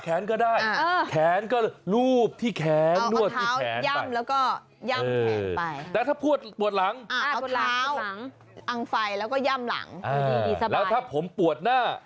แขนก็ได้แขนก็รูปที่แขนนวดที่แขนไป